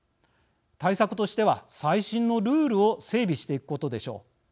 対策としては、再審のルールを整備していくことでしょう。